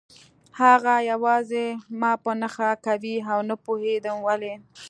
هغه یوازې ما په نښه کوي او نه پوهېدم ولې